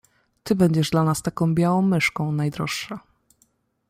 "Ty będziesz dla nas taką białą myszką, najdroższa."